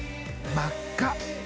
真っ赤。